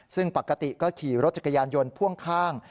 ซึ่งปกติก็ขี่รถจักรยานยนต์พ่วงข้าง